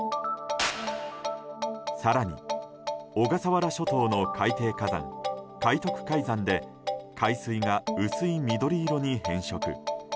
更に小笠原諸島の海底火山海徳海山で海水が薄い緑色に変色。